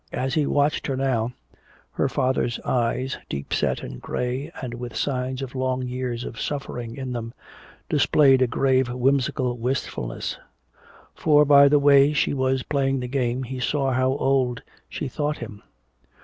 As he watched her now, her father's eyes, deep set and gray and with signs of long years of suffering in them, displayed a grave whimsical wistfulness. For by the way she was playing the game he saw how old she thought him.